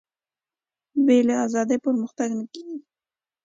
بې له ازادي پرمختګ نه کېږي.